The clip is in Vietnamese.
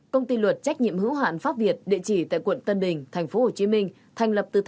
công ty luật trách nhiệm hữu hạn pháp việt địa chỉ tại quận tân đình thành phố hồ chí minh